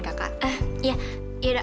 roh kaya lah